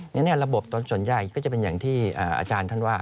ฉะนั้นระบบส่วนใหญ่ก็จะเป็นอย่างที่อาจารย์ท่านว่า